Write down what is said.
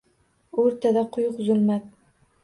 O’rtada quyuq zulmat.